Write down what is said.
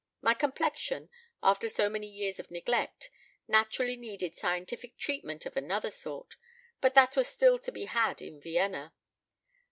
My complexion, after so many years of neglect, naturally needed scientific treatment of another sort, but that was still to be had in Vienna."